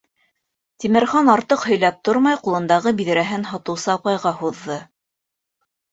Тимерхан артыҡ һөйләп тормай, ҡулындағы биҙрәһен һатыусы апайға һуҙҙы.